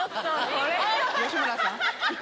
吉村さん。